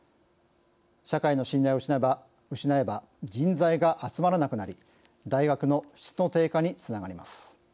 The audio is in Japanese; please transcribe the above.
社会の信頼を失えば人材が集まらなくなり大学の質の低下につながります。